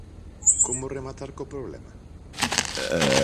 Como rematar co problema?